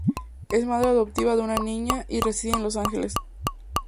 Es madre adoptiva de una niña y reside en Los Ángeles.